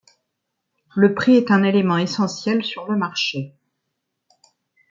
Le prix est un élément essentiel sur le marché.